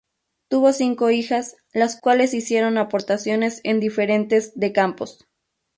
Tuvo cinco hijas, las cuales hicieron aportaciones en diferentes de campos.